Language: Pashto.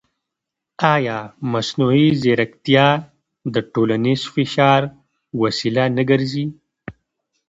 ایا مصنوعي ځیرکتیا د ټولنیز فشار وسیله نه ګرځي؟